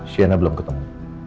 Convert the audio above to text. sienna belum ketemu